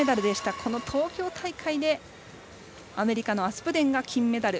この東京大会でアメリカのアスプデンが金メダル。